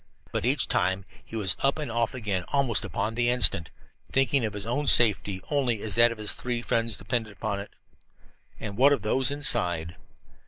But each time he was up and off again almost upon the instant, thinking of his own safety only as that of his three friends depended upon it. And what of those inside?